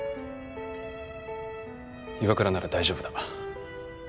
岩倉なら大丈夫だ。